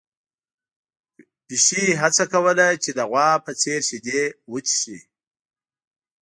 پيشو هڅه کوله چې د غوا په څېر شیدې وڅښي.